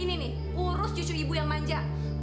ini nih urus cucu ibu yang manja